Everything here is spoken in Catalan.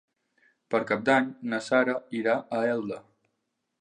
Per Cap d'Any na Sara irà a Elda.